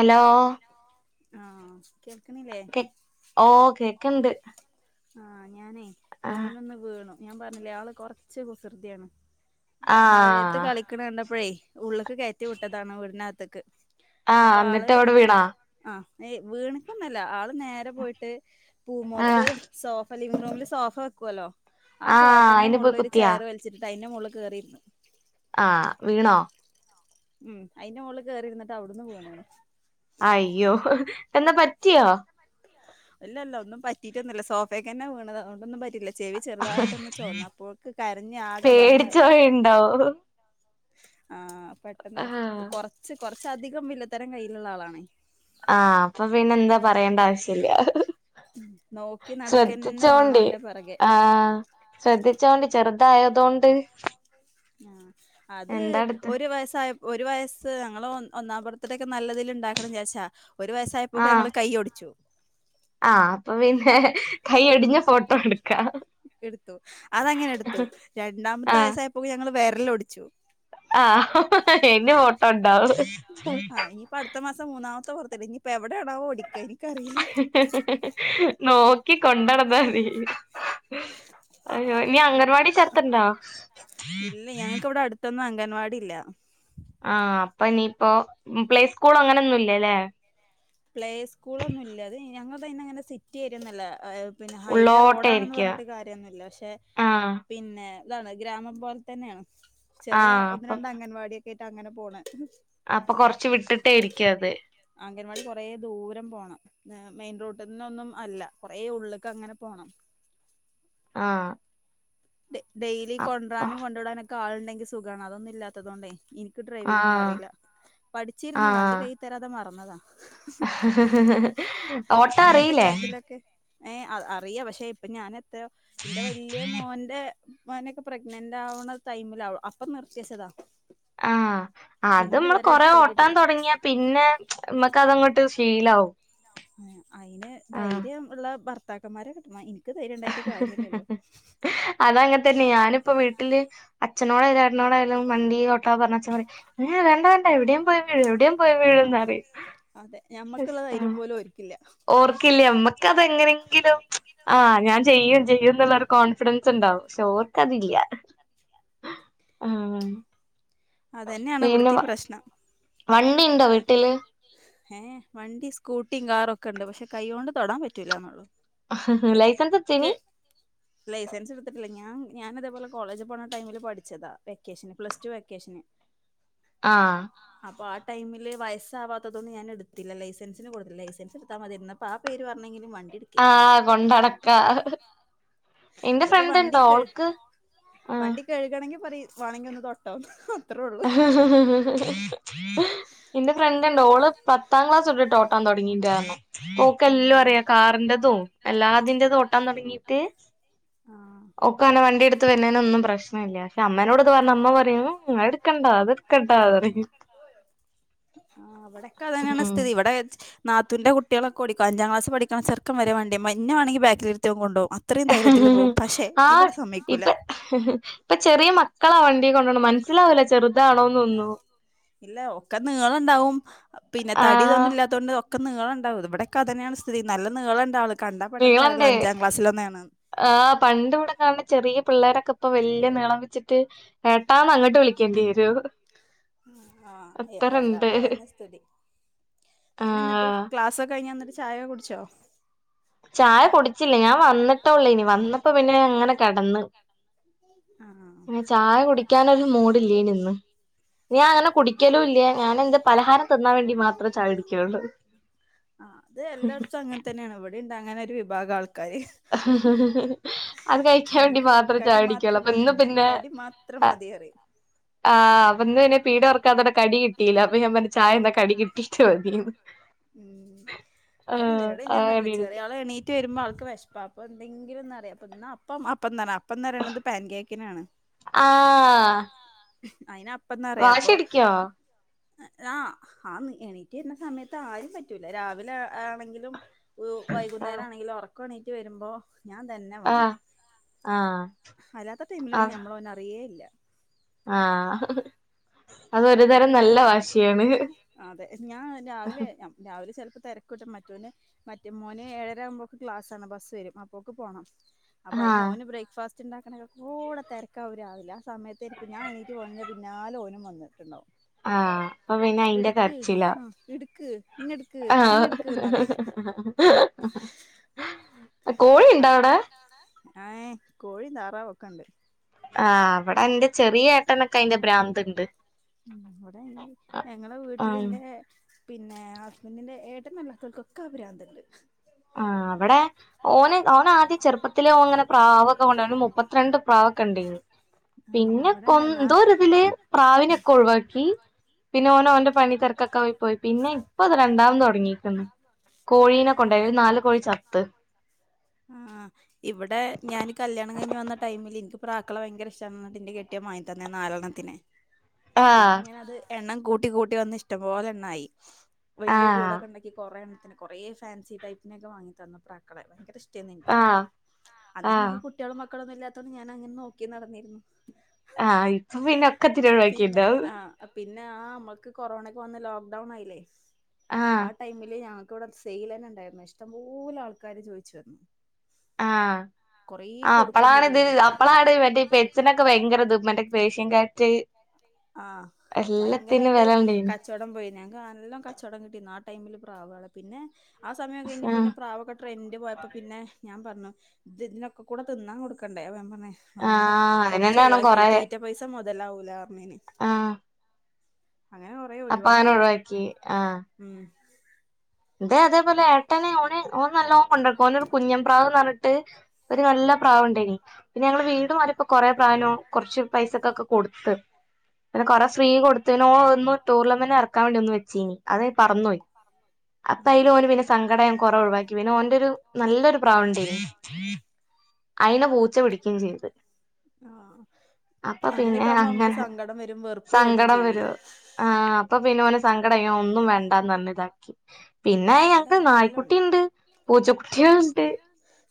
Hello ആ കെ ഓ കേക്കണ്ട് ആ ഞാനേ മോനൊന്ന് വീണു ഞാൻ പറഞ്ഞില്ലേ ആള്കൊറച്ച് കുസൃതിയാണ് മഴയത്ത് ആഹ് കളിക്കണ കണ്ടപ്പഴേ ഉള്ള്ക്ക്‌ കയറ്റിവിട്ടതാണ് വീട്നകത്ത്ക്ക് ആ ന്നിട്ട് അവ്ടെവീണോ ആ ഏയ് വീണിക്കൊന്നല്ല ആള് നേരെ പോയിട്ട് പൂമോത്ത് ആഹ് സോഫ അപ്പ ലിവിംഗ് റൂമില് സോഫവെക്കുവല്ലോ ആ ആഹ് അയിന് പോയി സോഫന്റെമോള് ഒരു കുത്തിയാ ചെയർവൽചിട്ട്ട്ട് ആയി ന്ന മോൾള് കേറീര്ന്ന് ആ വീണോ ഉം അയിന്റെ മോള് കേറി്ര്ന്ന് അയ്യോ എന്ന പറ്റിയോ ഇല്ലല്ല ഒന്നും പറ്റിട്ടൊന്നല്ല സോഫെക്കന്നെ വീണത് അതോണ്ടൊന്നും പറ്റ ട്ടില്ല ചെവി ചെറുതായിട്ടൊന്ന് ചോവന്നപ്പോക്ക് കരഞ് ആകെ പേടിച്ച് ബഹളായി പോയിണ്ടാവും ആ പെട്ടെന്ന് ആഹ് കൊറച്ച് കൊറച്ചധികം വില്ലത്തരം കയ്യില്ള്ള ആളാണെ ആ അപ്പൊ പിന്നെന്താ പറയേണ്ടആവശ്യല്ല നോക്കി നടക്കന്നെ വേണം ശ്രദ്ധിച്ചോണ്ടി ഓന്റെ പെറകെ ആ ശ്രദ്ധിച്ചോണ്ടി ചെറ് തായതോണ്ട് ആ അത് ഒര്വയസ്സായ ഒരു വയസ്സ് ഞങ്ങള് ഒന്നാംബർത്തിടക്കെ നല്ലതില്ണ്ടാക്കണം ജാച്ചാ ഒരു വയസായപ്പോക്കെ ഞങ്ങള് കയ്യ്ഒടിച്ചു ആ അപ്പൊ പിന്നെ ആ കയ്യൊടിഞ്ഞ ഫോട്ടോട്ക്കാം എടുത്തു അതങ്ങനെ എടുത്തു രണ്ടാമത്തെ വയസ്സായപ്പോ ഞങ്ങള് വെരലൊടിച്ചു ആ ന്നെ ഫോട്ടോണ്ടാവും ത ബർത്ഡേ ഇഞ്പ്പ എവ് ഓടിക്ക ഇൻകറി നോക്കി കൊണ്ടടന്നാതി അയ്യോ ഇനി അംഗൻവാടി ചേർത്ത്ണ്ടോ ഇല്ലെ ഞങ്ങക്ക്വ്ടെ അട്ത്തൊന്നും അംഗൻവാടി ഇല്ല ആ അപ്പൊനിയിപ്പോ പ്ലേസ്കൂള അങ്ങനെൊന്നുല്ലല്ലേ പ്ലേസ്കൂളൊന്നു ഇല്ല അത് ഞങ്ങൾത് അയിന്അങ്ങനെ സിറ്റി ഏരിന്നല്ല പിന്നെ ഹൈവേ റോഡാണെന്ന് ഉള്ളോട്ടായിരിക്കും പർഞ്ഞിട്ട് കാര്യന്നുല്ല പക്ഷെ ആഹ് പിന്നെ ഇതാണ് ഗ്രാമം പോൽതന്നെണ് ചെറ്യയ ആഹ് ഒന്ന് അപ്പൊ രണ്ട് അംഗൻവാടിയക്കെറ്റ് അങ്ങനെപോണ് അപ്പൊ കൊറച്ച് വിട്ടിട്ടേയിരിക്ക അത് അംഗൻവാടി കൊറേ ദൂരംപോണം മെയിൻ റോട്ട്ന്നൊന്നും അല്ല കൊറെ ഉള്ളക്ക്ങ്ങനെപോണം ആ ഡെയിലി കൊണ്ടരാനും കൊണ്ടുവിടാനൊക്കെ ആള്ണ്ടെങ്കിൽ സുഗാണ് അതൊന്നും ഇല്ലാത്തതോണ്ട് ഇനി ക്ക് ഡ്രൈവിംഗ് ആഹ് ഒന്നുഅറീല പഠിച്ചിരുന്നു വണ്ടി കൈയിതരാതെ മറന്നതാ ഓട്ട അങ്ങനത്തെ അറീലെ കാര്യത്തിലൊക്കെ ഏ അറിയ പഷെ ഇപ്പൊ ഞാൻത്രയോ ഇന്റെവല്യയ മോൻ മോനൊക്കെ പ്രഗ്നന്റ് ആവണടൈമില അപ്പനിർത്തിച്ചതാ ആ അത് മ്മള് കൊറെ ഓട്ടാൻ തതൊടങ്ങിയാ പിന്നെ മ്മക്ക്അതങ്ങോട്ട് ശീലആവും അയിന് ധൈര്യംഇള്ള ഭർത്താക്കന്മാരെകിട്ടണം ഇൻ അതങ്ങൻതന്നെ ഞാനിപ്പൊവീട്ടില് അച്നോടായാലും ചേട്ടനോടായാലും വണ്ടി ഓട്ടാപർഞ്ഞ അച്ഛൻപറിം ഏ വേണ്ടവേണ്ട എവിടേംപോയവീഴും എവിടേംപൊയവിഴുംന്നറിം അതെ ഞമ്മക്കുള്ള ധൈര്യം പോലും ഓര്ക്കില്ല ഓർക്കില്ലേ അമ്മക്കതെങ്ങനെങ്കിലും ആ ഞാൻ ചെയ്യുംചെയ്യുംന്നുള്ളരു കോൺഫിഡൻസ്ണ്ടാവും ശെ ഓർകതില്ല ആ അത് തന്നെയാണ് ഇവിടുത്തെ പ്രശ്നം വണ്ടിയുണ്ടോ വീട്ടില് ഏ വണ്ടി സ്കൂട്ടിയും കാറൊക്കെ ഉണ്ട് പക്ഷെ കൈ കൊണ്ട് തൊടാൻ പറ്റൂല്ല നമ്മൾ ലൈസൻസ് എടുത്തീനി കെ ലൈസെൻസ് എടുത്തിട്ടില്ല ഞാൻ ഞാനിതേപോലെ കോളേജ് പോണ ടൈമില് പഠിച്ചതാ വെക്കേഷന് പ്ലസ് ടു വെക്കേഷന് ആ അപ്പൊ ആ ടൈമില് വയസാവാ ഞാൻ എടുത്തില്ല ലൈസൻസിന് കൊടുത്തി ലൈസൻസ് എടുത്താ മതിയായിരുന്നു അപ്പോ ആ പേര് പറഞ്ഞെങ്കിലും വണ്ടി ആ എടുക്കായിരുന്നു കൊണ്ടടക്കാം എന്റെ ഇതിപ്പോ ഫ്രണ്ട് വണ്ടി ഉണ്ടോ കഴ് ഓൾക്ക് ആ പററി വാണെങ്കി ഒന്ന് തൊട്ടോ എന്റെഫ്ര ഇ ഓള് പത്താം ക്ലാസ് തൊട്ട് ഓട്ടാൻ തുടങ്ങിയിട്ടായിരുന്നു ഓക്ക് എല്ലാ ഉം അറിയാ കാറിന്റതും എല്ലാ അതിന്റെ ഓട്ടാൻ തുടങ്ങീട്ട് ആഹ് ഓക്ക് അനെ വണ്ടി എടുത്ത് വന്നേന ഒന്നും പ്രശ്നം ഇല്ല പക്ഷെ അമ്മേനോട് പറഞ്ഞ അമ്മ പറയും നി കണ്ടാത് കണ്ടാത് ആഹ് അവിടെയൊക്കെ അതാണ് സ്ഥിതി ഇവിടെ നാത്തൂന്റെ കുട്ടികളൊക്കെ ഓടിക്കും അഞ്ചാംക്ലാസ് പഠിക്കണ ചെറുക്കൻവരെ എന്നെ വേണെങ്കിൽ ബാക്കില ഇരുത്തി കൊണ്ടോ ആ സമ്മതിക്കൂല ഇപ്പ ഇപ്പ ചെറിയ മക്കളാ വണ്ടിയ കൊണ്ട മന മനസ്സിലാവില്ല ചെറുതാണോന്ന് ഒന്നും ഇല്ല ഒക്കെ നീളുണ്ടാവും പിന്നെ തടി ആഹ് ഇതൊന്നും ഇല്ലാത്തോണ്ട് ഒക്കെ നീള ഉണ്ടാവും ഇവിടൊക്കെ തന്നെയാണ് സ്ഥിതി നല്ല നീള ഉണ്ടാവ വീള ണ്ടേ ആ പണ്ട് ഇവിടെ കാണ ചെറിയ പിള്ളേരൊക്കെ ഇപ്പൊ വലിയ നീളം വെച്ചിട്ട് ഏട്ടാന്ന് അങ്ങോട്ട് വിളിക്കേണ്ടി വരു ഉ ആഹ് എല്ലാടത്തും അത് തന്നെ സ്ഥിതി പിന്നെ എന്നിട്ട് ആഹ് ക്ലാസൊക്കെ കഴിഞ്ഞ് വന്നിട്ട് ചായയൊക്കെ കുടിച്ചോ ചായ കുടിച്ചില്ലേ ഞാൻ വന്നിട്ടോള്ളൂ ഇനി വന്നപ്പോ പിന്നെ അങ്ങനെ കിടന്ന് ആഹ് അ ചായ കുടിക്കാൻ ഒരു മൂഡല്ലേ നിന്ന് ഞാൻ അങ്ങനെ കുടിക്കലും ഇല്ല ഞാൻ പലഹാരം തിന്നാൻ വേണ്ടി മാത്രേ ചായ കുടിക്കുകയുള്ളൂ ആ അത് എല്ലായിടത്തും അങ്ങനെ തന്നെയാണ് ഇവിടെയും ഉണ്ട് അങ്ങനെ ഒരു വിഭാഗം ആൾക്കാ ആ അത് കഴിക്കാൻ വേണ്ടി ഓൽക്ക് മാത്രം കടി ചായ കുടിക്കുകയുള്ളോ മാത്രം അപ്പൊ മതി ഇന്ന് ഉം പിന്നെ കടി മാത്രം മതി പറയും ആ ഇന്ന് പിന്നെ പീടിക തുറക്കാത്തതോ കിട്ടിയില്ലേ അപ്പൊ ഞാൻ പറഞ്ഞു ചായ എന്താ കിട്ടിട്ട് മതി ഉം അവിടെ അതിനോട് ഞാൻ പറഞ്ഞില്ല അങ്ങനെ ചെറിയ ആൾ എണീറ്റ് വരുമ്പോ ആൾക്ക് വിശ അപ്പൊ എന്തെങ്കിലുംന്നറിയ അപ്പം അപ്പ എന്ത അപ്പന്ന് പറയണ് പാൻ കേക്കിനാണ് ആഹ് അപ്പന്നാറിയ അപ്പൊ വാശി പിടിക്കോ ആ ആ എണീറ്റ് വരുന്ന സമയത്ത് ആരും പറ്റൂല രാവിലെ ആണെങ്കിലും ആഹ് വൈകുന്നേരം ആണെങ്കിൽ ഉറക്കം എണീറ്റ് വരുമ്പോ ഞാൻ തന്നെ വേണം ആഹ് ആഹ് അല്ലാത്ത ടൈമിൽ പിന്ന നമ്മളെ അറിയേ ഇല്ല ആ അപ്പൊ പിന്നെ അതെ ഞാൻ രാവിലെ രാവിലെ ചിലപ്പോ തിരക്കൂട്ടം മറ്റേ മേന് ഏഴര ആകുമ്പോക്ക് ക്ലാസ്സാണ് ബസ് വരും അപ്പോഴേക്ക് പോകണം അപ്പൊ ആഹ് അയിന്ഓന് ബ്രേക്ക്ഫാസ്റ്റ് വച്ച ഉണ്ടാക്കണൊക്കെ കൂടെ തിരക്ക് അവരാവില്ല ആ സമയത്ത് എനിക്ക് ഞാ എണീട്ട പോകുന്നില്ല പിന്നാലെഓനും വന്നിട്ടുണ്ടാവും ആഹ് അപ്പൊ പിന്നെ എന്നിട്ട് അയിന്റെ എടുക്ക് കരച്ചിലാ ആഹ എടുക്ക് ഇന്ന എടുക്ക് ആഹ് ഇന്നെടുക്ക് [unintelligible] കോഴിണ്ടോ അവിടെ ആ കോഴിയും താറാവും ഒക്കെയുണ്ട് ആഹ് അവിടെ എന്റെ ചെറിയ ഏട്ടനൊക്കെ അയിന്റെ ഭ്രാന്ത് ഉണ്ട് ഉ ഇവിടെ ഇ ഞങ്ങളെ ആഹ് വീട്ടിലിന്റെ പിന്നെ ഹസ്ബന്റിന്റെ ഏട്ട നല്ലാത്തവർക്കൊക്കെ ആ ഭ്രാന്ത്. ആ അവടെ. ഓന് ഓന ആദ്യം ചെറുപ്പത്തിലെ ഓൻ ങ്ങനെ പ്രാവൊക്കെ കൊണ്ടാണ്ട് മുപ്പത്തിരണ്ട് പ്രാവ്ക്കെണ്ടേനി ആ പിന്നെ കൊ ഇവിടെണ്ടായിന്ന ന്തോ ര് ഇതില് പ്രാവിനൊക്കെ ഒഴിവാക്കി പിന്നെ ഓന ഓന്റെ പണി തിരക്കൊക്കെ പോയി പോയി പിന്നെ ഇപ്പൊ അത് രണ്ടാമത് തുടങ്ങിക്ക്ണ്. കോഴീനെ ആ ക്കെണ്ടായി ഒരു നാല് കോഴി ചത്ത്. ആ ഇവിടെ ഞാൻ കല്യാണം കഴിഞ്ഞ് വന്ന ടൈമില് എനിക്ക് പ്രാക്കളെ ഭയങ്കര ഇഷ്ട. കെട്ടിയൻ വ [unintelligible] നാലണ്ണത്തിനെ പിന്നെ ആഹ് ഇങ്ങനെ അത് എണ്ണം കൂട്ടി കൂട്ടി വന്ന് ഇഷ്ടം പോലെ എണ്ണായി വലിയ ആഹ് കൂടൊക്കെ ഉണ്ടാക്കി കുറെ എണ്ണത്തിന് കുറെ ഫാൻസി ടൈപ്പിനെൊക്കെ വാങ്ങി തന്നു പ്ര ക്കളെ ഭയങ്കര ഇഷ്ടം. നിനക്ക് ആഹ് അന്ന് ആഹ് നിങ്ങക്ക് കുട്ടികളും മക്കളോന്നും ഇല്ലാത്തോണ്ട് ഞാൻ അങ്ങനെ നോക്കി നടന്നിരുന്നു. ആഹ ഇപ്പൊ പിന്നെ ഒക്കെ തി ഒഴിവാക്കിണ്ടാവ. ഞാ ആ മ്മൾക്ക് കൊറോണക്ക് വന്ന് ലോക്ക്ഡൌൺ ആയില്ലേ ആഹ് ആ ടൈമില് ഞങ്ങ ൻക്ക് വടെ സെയിലന്നെ ണ്ടായിരുന്നു ഇഷ്ടംപലെ ആൾക്കാരാര് ചോയിച്ചു വന്നു ആ കൊറേ ആ കൊടുക്കുകയും അപ്പളാണ് ഇത് ചെയ്തുക്കണ് അപ്പളാണ് മറ്റേ പെറ്റ് സ്നൊക്കെ ഭയങ്കര ത് മറ്റേ പേഷ്യൻ ക്യാറ്റ് ആ എല്ലാത്തിനും ഭയങ്കരായിട്ട് വെല ഇണ്ടേനി കച്ചോടം പോയി ഞങ്ങക്ക് നല്ലോ കച്ചോടം കിട്ടി നാട്ട ടൈമില് പ്രാവാള് പിന്നെ ആ സമയം കഴിഞ്ഞ് ആഹ് പിന്നെ പ്രാവൊക്കെ ട്രെൻഡ് പോയപ്പോ പിന്നെ ഞാ പറഞ്ഞു ഇതിനെയൊക്കെ കൂടെ തിന്നാൻ കൊടുക്കണ്ടേ? ന്ന് വേണ്ട ആഹ് കുറച്ച് അതിനെന്നാണ് ഒഴിവാക്കി ക്കാളി തീറ്റ പൈസ മുതലാവൂലറ്ഞ്ഞേന് ആ അ പഅങ്ങനെ ഒഴിവാക്കി ആ ഉം ഇതെ അതേപോലെ ഏട്ടനെ ഓന ഓെ നല്ല ഓൻ കൊണ്ടക്കും. ഓനരു കുഞ്ഞം പ്രാവ് പറഞ്ഞിട്ട്. ഒരു നല്ല [unintelligible] പിന്നെ ഞങ്ങള് വീട്മാറി ഇപ്പോ കൊറേ പ്റാവിനോ കുറച്ച് പൈസൊക്കെ ക്കെ കൊടുത്ത്. പിന്നെ കൊറെേ ഫ്രീ കൊടുത്തനോ ഒന്ന് ടൂർലമെന്റ് ഇറക്കാൻ വേണ്ടി ഒന്ന് വെച്ചീനി. അതെ പറന്നോയ്. പ്പം അയ്ല് ആഹ് ഓല് പിന്നെ സങ്കടം യ് കുറെ ഒഴിവാക്കി പിന്നെ ഓൻറ രു നല്ലൊരു പ്രാവ്ണ്ടേനി അയിന പൂച്ച പിടിക്കയും ചെയ്ത്. ആഹ് അപ്പൊ പിന്നെ അങ്ങനെയൊക്കെ ആകുമ്പോ നമുക്ക് അങ്ങനെ സങ്കടം വരും വെറുപ്പ് തോന്നും സങ്കടം വര ചെയ്യുവേ ആ അപ്പൊ പിന്നെ ഓനെ സങ്കടം ഇ ഒന്നും വേണ്ടന്ന്. പറഞ്ഞ ഇതാക്കി ഉം പിന്നെ ഇവിടെ ഞക്ക് എല്ലാം ഉണ്ട് നായ്ക്കുട്ടിണ്ട്. ആഹ് പൂച്ചക്കുട്ടിളുണ്ട്.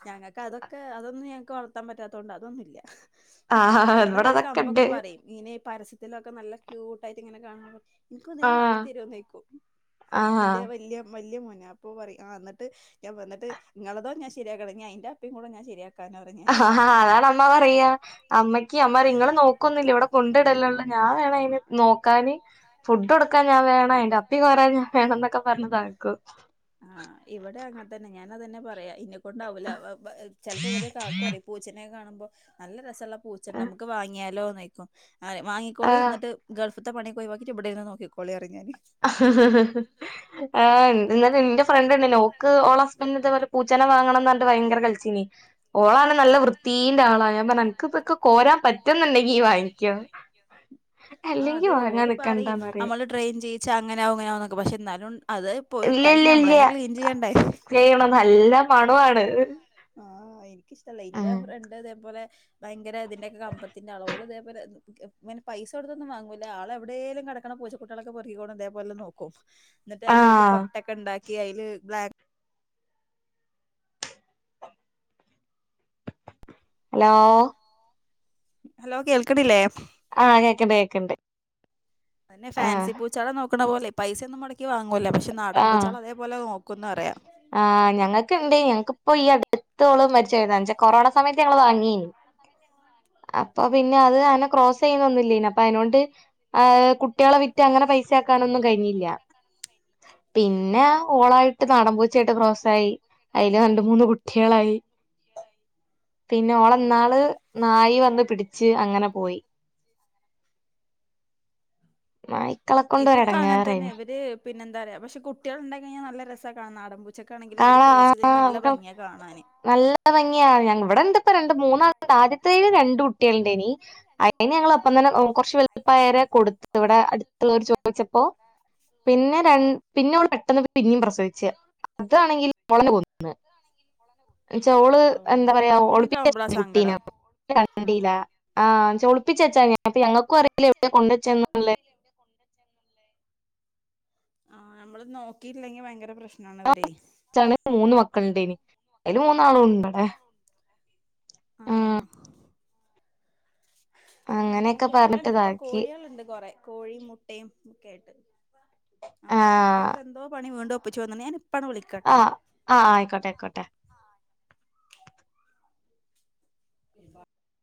ഞങ്ങൾക്ക് അതൊക്കെ അതൊന്നും ഞങ്ങൾക്ക് വളർത്താൻ പറ്റാത്തോണ്ട് അതൊന്നും ഇല്ല [unintelligible] ആഹ് ഇവിടെ അവര് അതൊക്കെ കമ്പൊക്കെ ഇണ്ട് പറയും ഇനെ പരസ്യത്തിലൊക്കെ എനിക്കന്നേ വാങ്ങി ആഹ് തരുന്നേക്കോ ആഹ് എന്റെ വല്യ വല്യ മോനാ അപ്പോൻ പറിം ന്നട്ട് ഞാ വന്ന്ട്ട് ഇങ്ങളതോ ഞൻ ശരിയാ കണ്ടേ ഇഞ്ഞ് അയിന്റെ അപ്പിം കൂടെ ഞാ ശെരിയാ ആ അതാണ് അമ്മ പറയാ അമ്മയ്ക്ക് അമ്മപറയ ഇങ്ങൾ നോക്കൊന്നുമില്ല. ഇവിടെ കൊണ്ട ഇടലള്ളു. ഞാൻ വേണം അന് നോക്കാന് ഫുഡ് കൊടുക്കാൻ ഞാൻ വേണം. അതിന്റെ അപ്പികോരാൻ ഞാൻ വേണം. എന്നൊക്കെ പറഞ്താകി [unintelligible] ആ ഇവിടെ അങ്ങനെ തന്നെ ഞാനത്ന്നെ പറയാ ഉണ്ടാവൂല്ല ചിലപ്പോ അവരെ കാക്കു പറയും പൂച്ചനെ കാണുമ്പോ നല്ല രസള്ള പൂച്ചണ്ട്‌ നമക്ക് വാങ്ങിയാലോന്ന് യ്ക്കും നാ പറിം വാങ്ങിക്കോളി ആഹ് ന്നട്ട് ഗൾഫ് ഇത്ത പണി ക്കെ ഒഴിവാക്കിട്ട് ഇടെന്ന് നോക്കി ക്കോളി ആ എന്ത് ന നിന്റെ ഫ്രണ്ട് ഉണ്ട് നോക്ക് ഓള് ഹസ്ബൻഡ ഇ പൂച്ചന വാങ്ങണം. പറഞ്ഞിട്ട്. ഭയങ്കര കറച്ചിലായ്‌ ഓള നല്ല വൃത്തിന്റെ ആളാ അ നക്ക് ഇതൊക്കെ കോരാൻ പറ്റൊ. പറ്റന്നുണ്ടെങ്കി വാങ്ങിക്കോ ആ അല്ലെങ്കി അത് വാങ്ങാ നിക്കണ്ടന്നറിയും. അങ്ങനെവും ഇങ്ങനെ വും ന്നൊക്കെ പക്ഷെ ന്നാലും അത് ഇല്ല പോയിട്ടാലും ഇല്ല ഇല്ല ഞമ്മളന്നെ ക്ലീൻ ചെയ്യണ്ടെ മണുവാണ്. ഇഷ്ടല്ല ഇന്റെറെ ഫ്രണ്ട് അതേപോലെ. ഭയങ്കര ഇതിന്റെ ഒക്കെ കമ്പത്തിന്റെ അളള ഇതേപോലെങ്ങനെ പൈസ കൊടുത്തൊന്നുംവാങ്ങൂല്ല ആളെ എവിടെേങ്കലും കിടക്ക്ണ പൂച്ച കുട്ടികളൊക്കെറുകികോണം ഇതേപോലെ നോക്കും എന്നിട്ട് അതിനായിട്ട് ആഹ് കൊട്ടൊക്കെ ഉണ്ടാക്കി അതില് ബ്ലാ ഹലോ ഹലോ കേൾകനില്ലേ ആ കേക്കിണ്ട് കേക്കിണ്ട് പിന്നെ ഫാൻസി പൂച്ചാള നോക്കണ പോലെ പൈസ ഒന്നും മുടക്കി വാങ്ങൂല്ല പക്ഷെ നാടൻ പൂച്ചാള അതേപോലെ നോക്കും നോക്കു എന്ന് പറയാം ആ് ഞങ്ങൾക്കണ്ട് ഞങ്ങക്ക് ഇപ്പോ ഈ അടുത്ത് എത്രത്തോളും മരിച്ചുന്നച്ചാ കൊറോണ സമയത്ത് ഞങ്ങള് വാങ്ങിരുന്ന് ആ അപ്പൊ പിന്നെ അത് അനെ ക്രോസ് ചെയ്യുന്ന ഒന്നുമില്ല അപ്പൊ അതിനൊണ്ട്ഹ് കുട്ടികളെ വിറ്റ് അങ്ങനെ പൈസക്ക ഒന്നും കഴിഞ്ഞില്ല പിന്നെ ഓളായിട്ട് നാടൻ ചേട്ട ക്രോസ് ആയി അതിൽ രണ്ട് മൂന്ന് കുട്ടികളായി പിന്നെ ആ ഓളന്നാള് നായി വന്ന് പിടിച്ച് അങ്ങനെ പോയി നായ്ക്കളെ [inaudible] കൊണ്ട് ഇതൊക്കെ അങ്ങനെ തന്നെ ഒരെടങ്ങേറേനി ഇവര് പിന്നെ എന്താ പറയാ പക്ഷെ കുട്ടികൾ ഉണ്ട കഴിഞ്ഞാൽ നല്ല രസം കാണ നാട ഉച്ചക്കെ ആണെങ്കിൽ ഇര് കാണാ ക്രോസ് ചെയ്തിന് നല്ല ഭംഗിയാ കാണാന് ഭംഗിയ ഞ ഇവിടെ ഇണ്ട് ഇപ്പ രണ്ട് മൂന്നാണ്ട് ആദ്യതേൽ രണ്ട് കുട്ടികളുഡേനി അതിനെ ഞങ്ങൾ അപ്പ അങ്ങനെ കൊറച്ച് വെളുപ്പായരെ കൊടുത്ത് ഇവിടെ അടുത്തുള്ളവർ ചോദിച്ചപ്പോ പിന്നെ ര പിന്നെ ഇവിടെ പെട്ടെന്ന് പിന്നെയും പ്രസവിച്ച അതാണെങ്കിൽ കൊളന്ന് കൊന്നന്ന് ചോള് ഔ എന്താ പറയാ അങ്ങനെയൊക്കെ ഒളിപ്പിച്ച ആവുമ്പളാ കുട്ടീന സങ്കടം. കണ്ടീല ആഹ് ഒളപ്പിച്ചെച്ചാ ഞാൻപ്പ ഞങ്ങൾക്കും അറിയില്ല എവിടെയ കൊണ്ടുവെച്ചല്ലേ ആ നമ്മള് നോക്കിയില്ലെങ്കി ഭയങ്കര പ്രശ്ന ആ ണ് മൂന്ന് മക്കളണ്ടന് അതില് മൂന്നാള ഉണ്ട് ആ അങ്ങനെയൊക്കെ അങ്ങനൊക്കെ എവിടെ പറഞ്ഞിട്ട് ഇണ്ട് ഇപ്പൊ ഇതാക്കി കോഴികളുണ്ട് കൊറെ കോഴി മുട്ടയും ഒക്കെ ആയിട്ട് ആഹ് അവിടെ അപ്പുറത്തെ എന്തോ പണി വീണ്ടോ ഒപ്പിച്ചു വന്ന ഞാൻ ഇപ്പാണ് ആ വിളിക്കാട്ടോ. ആ ആയിക്കോട്ടെ ആയിക്കോട്ടെ [inaudible]